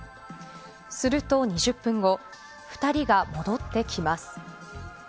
すると２０分後２人が戻ってきます。